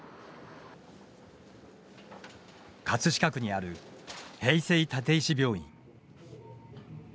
葛飾区にある平成立石病院。